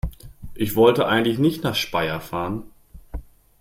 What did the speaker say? Ich wollte eigentlich nicht nach Speyer fahren